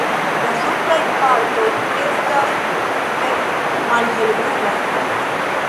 La supraj partoj estas tute malhelbrunaj.